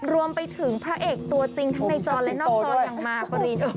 รวมไปถึงพระเอกตัวจริงทั้งในจอและนอกจออย่างมากปริน